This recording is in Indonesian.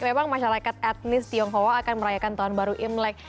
memang masyarakat etnis tionghoa akan merayakan tahun baru imlek